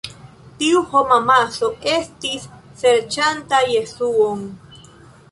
Tiu homamaso estis serĉanta Jesuon.